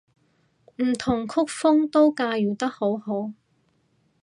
唔同曲風都駕馭得好好